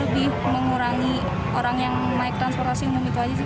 jadi lebih mengurangi orang yang naik transportasi untuk begitu aja sih pak